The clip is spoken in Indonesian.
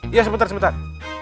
iya sebentar sebentar